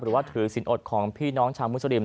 หรือว่าถือสินอดของพี่น้องชาวมุสลิม